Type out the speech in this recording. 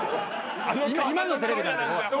今のテレビなんで。